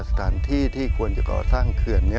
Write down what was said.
สถานที่ที่ควรจะก่อสร้างเขื่อนนี้